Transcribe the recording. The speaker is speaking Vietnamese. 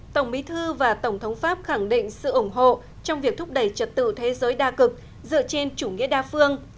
tổng bí thư và tổng thống pháp khẳng định sự ủng hộ trong việc thúc đẩy trật tự thế giới đa cực dựa trên chủ nghĩa đa phương